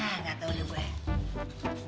hah nggak tau deh gue